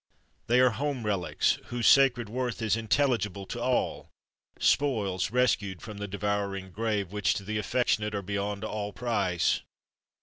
They are home relics, whose sacred worth is intelligible to all: spoils rescued from the devouring grave, which to the affectionate are beyond all price.